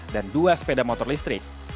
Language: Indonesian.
dan dua sepeda motor listrik